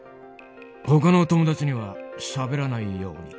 他の友達にはしゃべらないように。